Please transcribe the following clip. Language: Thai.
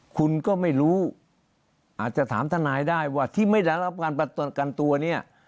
คุณก็ไม่รู้อาจจะถามทนายได้ว่าที่ไม่ได้รับการประกันตัวเนี่ย